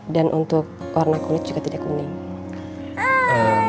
dan untuk warna kulit juga tidak kuning